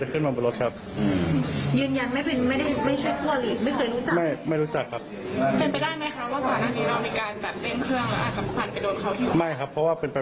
เมื่อเรายิงก็ยิงบริเวณไหน